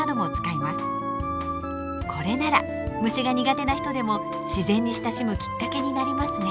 これなら虫が苦手な人でも自然に親しむきっかけになりますね。